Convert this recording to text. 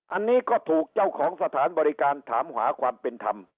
อันนี้ก็ถูกเจ้าของสถานบริการถามหาความเป็นธรรม